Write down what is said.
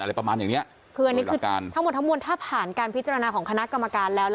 อะไรประมาณอย่างเนี้ยคืออันนี้คือการทั้งหมดทั้งมวลถ้าผ่านการพิจารณาของคณะกรรมการแล้ว